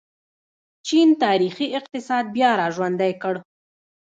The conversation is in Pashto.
چین تاریخي اقتصاد بیا راژوندی کړ.